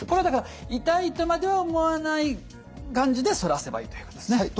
だから痛いとまでは思わない感じで反らせばいいということですね。